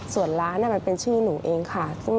ส่วนร้านมันเป็นชื่อหนูเองค่ะ